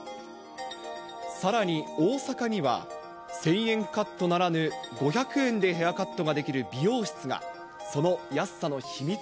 さらに、大阪には１０００円カットならぬ、５００円でヘアカットができる美容室が。